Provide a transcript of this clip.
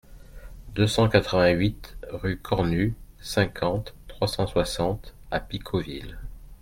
deux cent quatre-vingt-huit rue Cornu, cinquante, trois cent soixante à Picauville